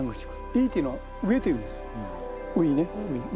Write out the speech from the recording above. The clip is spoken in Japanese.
「いい」というのは「上」という意味です。